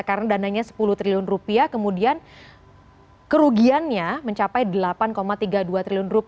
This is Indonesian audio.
karena dananya rp sepuluh triliun kemudian kerugiannya mencapai rp delapan tiga puluh dua triliun